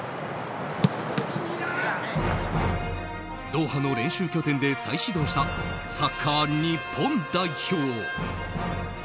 ドーハの練習拠点で再始動したサッカー日本代表。